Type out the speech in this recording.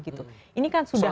ini kan sudah